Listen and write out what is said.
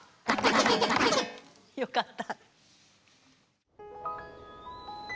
よかった。